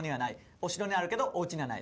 「お城にはあるけどおうちにはない」